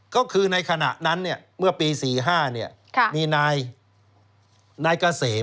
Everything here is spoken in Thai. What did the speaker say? ก็คือในขณะนั้นเมื่อปี๔๕มีนายเกษม